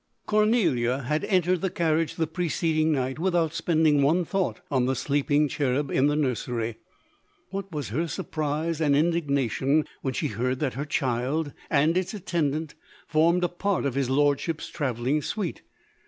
Cornelia had entered the car riage the preceding night, without spending one thought on the sleeping cherub in the nur sery. .What was her surprise and indigna tion, when she heard that her child and its at tendant formed a part of his lordship's travel ling suite.